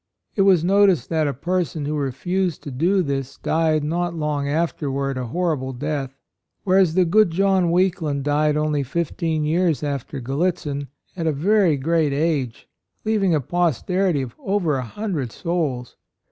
It was no ticed that a person who refused to do this died not long after ward a horrible death ; whereas the good John Weakland died only fifteen years after Gallitzin, at a very great age, leaving a posterity of over a hundred souls.